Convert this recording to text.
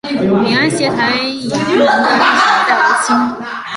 闽安协台衙门的历史年代为清。